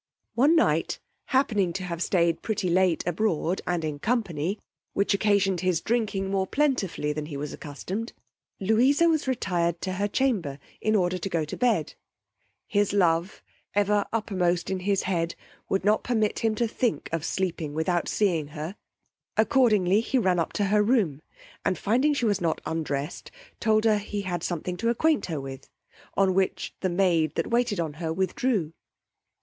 One night happening to have stayed pretty late abroad, and in company, which occasioned his drinking more plentifully than he was accustomed, Louisa was retired to her chamber in order to go to bed: his love, ever uppermost in his head, would not permit him to think of sleeping without seeing her; accordingly he ran up into her room, and finding she was not undressed, told her he had something to acquaint her with, on which the maid that waited on her withdrew.